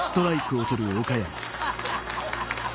ハハハハ！